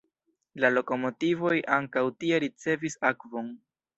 La lokomotivoj ankaŭ tie ricevis akvon.